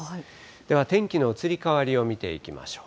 では天気の移り変わりを見ていきましょう。